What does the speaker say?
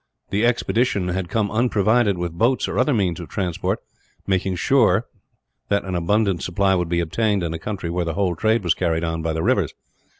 The expedition had come unprovided with boats or other means of transport, making sure that an abundant supply would be obtained, in a country where the whole trade was carried on by the rivers.